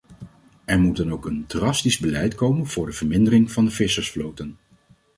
Er moet dan ook een drastisch beleid komen voor de vermindering van de vissersvloten.